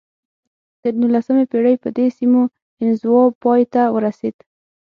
د نولسمې پېړۍ په دې سیمو انزوا پای ته ورسېده.